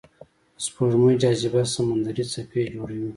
د سپوږمۍ جاذبه سمندري څپې جوړوي.